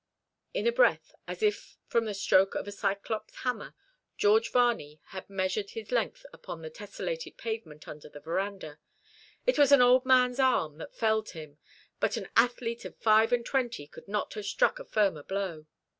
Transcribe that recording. In a breath, as if from the stroke of a Cyclops hammer, George Varney had measured his length upon the tesselated pavement under the verandah. It was an old man's arm that felled him; but an athlete of five and twenty could not have struck a firmer blow.